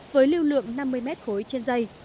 với lưu lượng năm mươi m khối trên dây